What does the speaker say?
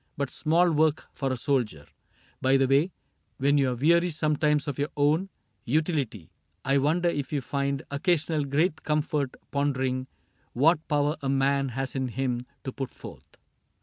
But small work for a soldier. By the way. When you are weary sometimes of your own Utility, I wonder if you find Occasional great comfort pondering What power a man has in him to put forth